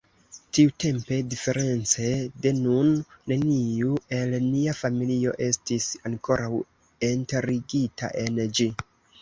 Tiutempe diference de nun, neniu el nia familio estis ankoraŭ enterigita en ĝi.